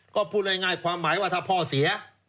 ก็พูดง่ายความหมายว่าถ้าพ่อเสีย